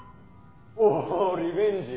おおリベンジ？